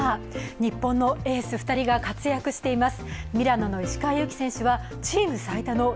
日本のエース２人が活躍しています。